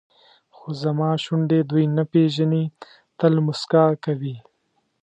خو زما شونډې دوی نه پېژني تل موسکا کوي.